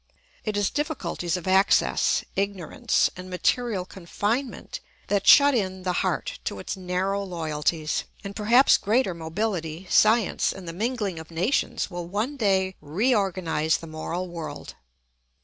It is difficulties of access, ignorance, and material confinement that shut in the heart to its narrow loyalties; and perhaps greater mobility, science, and the mingling of nations will one day reorganise the moral world.